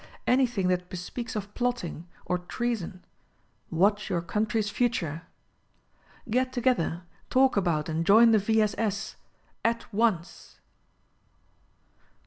anything that bespeaks of plotting, or treason ; watch your country's future ! Get together; talk about and join the V. S. S. AT ONCE!